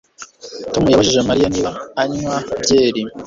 Tom yabajije Mariya niba anywa byeri